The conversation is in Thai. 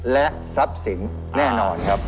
และทรัพย์สินแน่นอนครับ